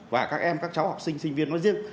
và các em các cháu học sinh sinh viên nói riêng